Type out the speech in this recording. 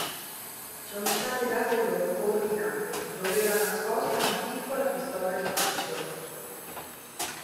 Sono state date loro coordinate, dove era nascosta una piccola pistola giocattolo.